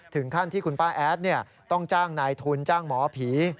ถึงขั้นที่คุณป้าแอดต้องจ้างนายทุนจ้างหมอผี